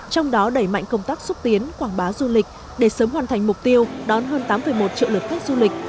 trong đó đẩy mạnh công tác xúc tiến quảng bá du lịch để sớm hoàn thành mục tiêu đón hơn tám một triệu lượt khách du lịch